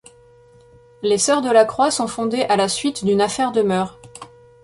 Les sœurs de la Croix sont fondées à la suite d'une affaire de mœurs.